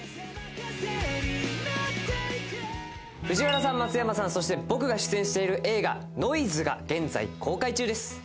藤原さん、松山さん、そして僕が出演している映画『ノイズ』が現在公開中です。